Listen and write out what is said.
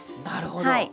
なるほど。